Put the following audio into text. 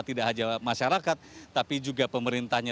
tidak hanya masyarakat tapi juga pemerintahnya